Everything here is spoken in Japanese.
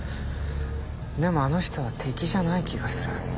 でもあの人は敵じゃない気がする。